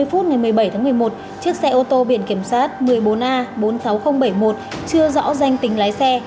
ba mươi phút ngày một mươi bảy tháng một mươi một chiếc xe ô tô biển kiểm soát một mươi bốn a bốn mươi sáu nghìn bảy mươi một chưa rõ danh tính lái xe